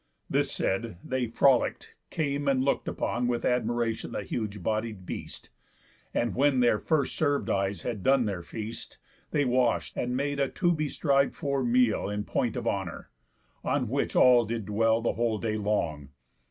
This said, they frolick'd, came, and look'd upon With admiration the huge bodied beast; And when their first serv'd eyes had done their feast, They wash'd, and made a to be striv'd for meal In point of honour. On which all did dwell The whole day long.